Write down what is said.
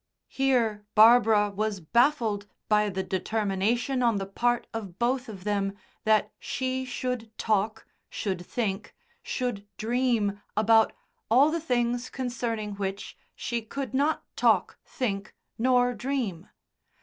Here Barbara was baffled by the determination on the part of both of them that she should talk, should think, should dream about all the things concerning which she could not talk, think nor dream.